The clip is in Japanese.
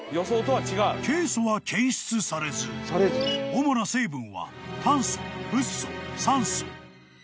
［ケイ素は検出されず主な成分は炭素フッ素酸素］